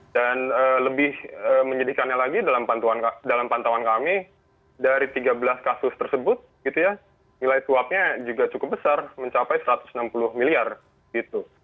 dan lebih menyedihkannya lagi dalam pantauan kami dari tiga belas kasus tersebut gitu ya nilai swapnya juga cukup besar mencapai satu ratus enam puluh miliar gitu